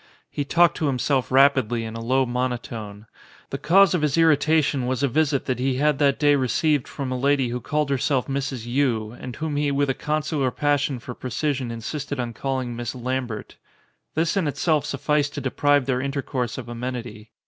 He talked to himself rapidly in a low monotone. The cause of his irritation was a visit that he had that ■day received from a lady who called herself Mrs. Yii and whom he with a consular passion for pre cision insisted on calling Miss Lambert. This in itself sufficed to deprive their intercourse of amenity.